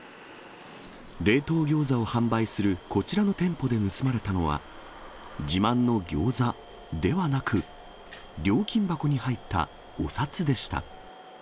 冷凍ギョーザを販売するこちらの店舗で盗まれたのは、自慢のギョーザではなく、料金箱に入ったお札でした。